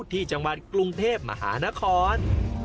ที่จังหวัดกรุงเทพมหานคร